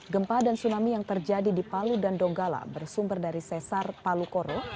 gempa dan tsunami yang terjadi di palu dan donggala bersumber dari sesar palu koro